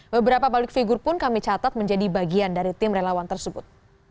beberapa balik figur pun kami catat menjadi bagian dari tim relawan tersebut